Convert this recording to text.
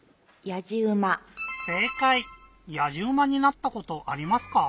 やじうまになったことありますか？